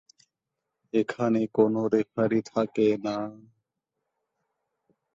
এখানে কোন রেফারি থাকে না।